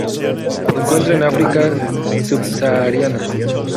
Se encuentra en Africa Subsahariana.